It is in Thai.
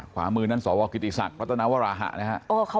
ขวามือนั่นสวกิติศักดิ์รัฐนวราฮะ